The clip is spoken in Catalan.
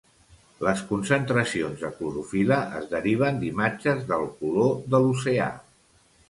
Les concentracions de clorofil·la es deriven d'imatges del color de l'oceà.